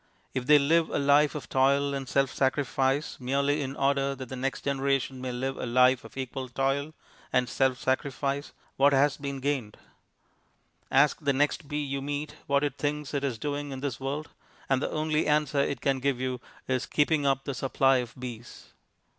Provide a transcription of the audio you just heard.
If they live a life of toil and self sacrifice merely in order that the next generation may live a life of equal toil and self sacrifice, what has been gained? Ask the next bee you meet what it thinks it is doing in this world, and the only answer it can give you is, "Keeping up the supply of bees."